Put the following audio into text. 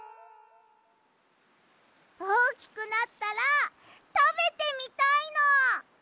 おおきくなったらたべてみたいの！